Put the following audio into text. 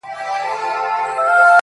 مِکروب د جهالت مو له وجود وتلی نه دی,